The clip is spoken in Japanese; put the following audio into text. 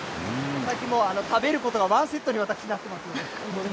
最近、私、食べることがワンセットに私なってますので。